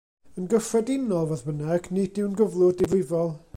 Yn gyffredinol, fodd bynnag, nid yw'n gyflwr difrifol.